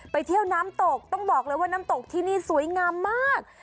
ไปเที่ยวน้ำตกต้องบอกเลยว่าน้ำตกที่นี่สวยงามมาก